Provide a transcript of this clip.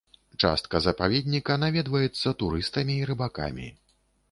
Частка запаведніка наведваецца турыстамі і рыбакамі.